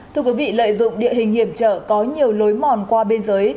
thưa quý vị lợi dụng địa hình hiểm trợ có nhiều lối mòn qua bên dưới